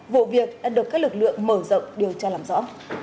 vụ việc đã được các lực lượng mở rộng điều tra làm rõ